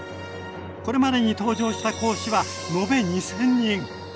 これまでに登場した講師は延べ２，０００人！